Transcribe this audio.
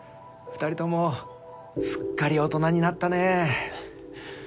２人ともすっかり大人になったね。